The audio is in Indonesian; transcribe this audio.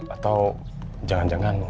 atau jangan jangan